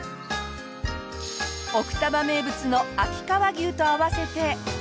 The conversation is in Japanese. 奥多摩名物の秋川牛と合わせて。